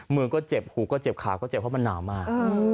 มือก็เจ็บหูก็เจ็บขาก็เจ็บเพราะมันหนาวมาก